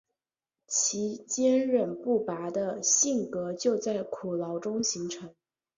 其坚忍不拔的性格就在苦牢中形成。